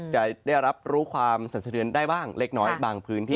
จะได้รับรู้ความสั่นสะเทือนได้บ้างเล็กน้อยบางพื้นที่